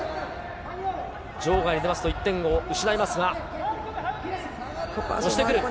場外に出ますと１点を失いますが、押してくる。